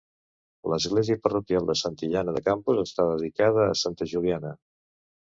L'església parroquial de Santillana de Campos està dedicada a Santa Juliana.